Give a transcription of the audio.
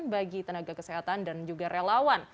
bagi tenaga kesehatan dan juga relawan